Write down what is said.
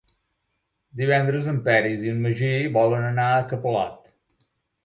Divendres en Peris i en Magí volen anar a Capolat.